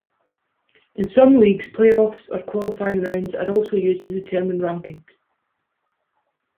In some leagues, playoffs or qualifying rounds are also used to determine rankings.